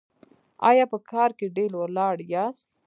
ایا په کار کې ډیر ولاړ یاست؟